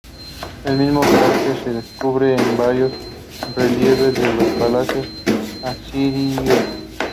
El mismo carácter se descubre en varios relieves de los palacios asirios.